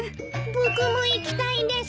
僕も行きたいです。